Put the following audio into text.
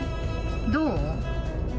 どう？